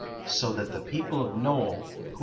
So that the people of Nole, who .